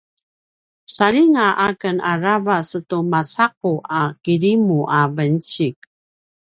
saljinga aken aravac tu maca’u a kirimu a venecik